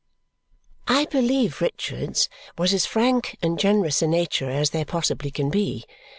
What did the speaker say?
I believe Richard's was as frank and generous a nature as there possibly can be.